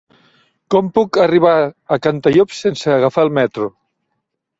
Com puc arribar a Cantallops sense agafar el metro?